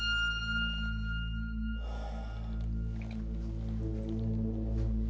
はあ。